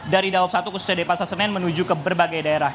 dari dawab satu khususnya di pasar senen menuju ke berbagai daerah